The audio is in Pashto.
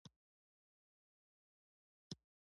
زما لنډ مهاله او اوږد مهاله موخې څه دي؟